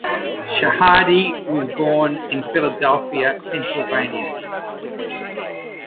Shahade was born in Philadelphia, Pennsylvania.